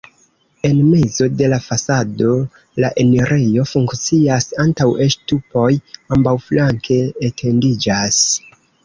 En mezo de la fasado la enirejo funkcias, antaŭe ŝtupoj ambaŭflanke etendiĝas.